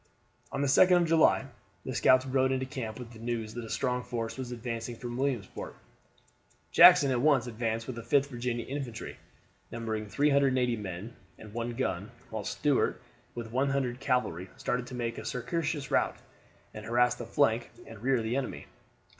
On the 2d of July the scouts rode into camp with the news that a strong force was advancing from Williamsport. Jackson at once advanced with the 5th Virginia Infantry, numbering 380 men and one gun, while Stuart, with 100 cavalry, started to make a circuitous route, and harassed the flank and rear of the enemy.